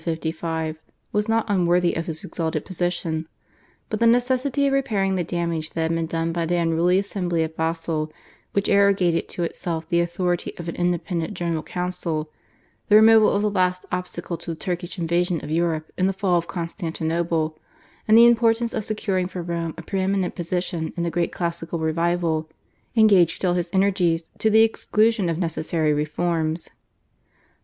(1447 55) was not unworthy of his exalted position, but the necessity of repairing the damage that had been done by the unruly assembly at Basle, which arrogated to itself the authority of an independent General Council, the removal of the last obstacle to the Turkish invasion of Europe in the fall of Constantinople, and the importance of securing for Rome a pre eminent position in the great classical revival, engaged all his energies to the exclusion of necessary reforms.